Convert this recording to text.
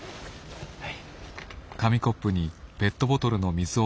はい。